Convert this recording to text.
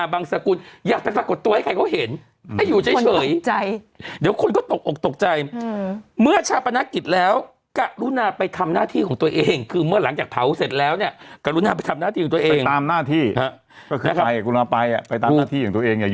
บังสกุลอยากไปปรากฏตัวให้ใครเขาเห็นให้อยู่เฉยเดี๋ยวคนก็ตก